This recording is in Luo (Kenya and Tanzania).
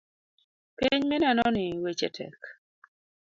Piny minenoni weche tek .